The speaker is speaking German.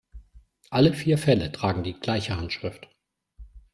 Alle vier Fälle tragen die gleiche Handschrift.